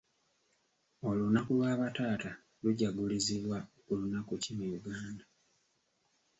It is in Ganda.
Olunaku lwa bataata lujagulizibwa ku lunaku ki mu Uganda?